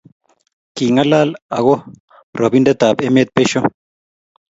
kingalal ago robindetab emet beisho